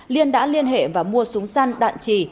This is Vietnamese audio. liên đã liên hệ và mua súng săn đạn trì